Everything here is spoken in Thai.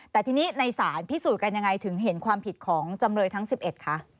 แต่ทีนี้ในศาลพิสูจน์กันยังไงถึงเห็นความผิดของจำเลยทั้ง๑๑คะ